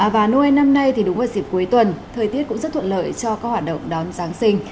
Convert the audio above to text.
và noel năm nay thì đúng vào dịp cuối tuần thời tiết cũng rất thuận lợi cho các hoạt động đón giáng sinh